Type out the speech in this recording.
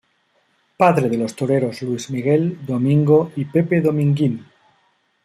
Padre de los toreros Luis Miguel, Domingo y Pepe Dominguín.